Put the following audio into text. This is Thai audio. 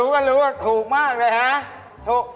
ก็รู้ว่าถูกมากเลยฮะ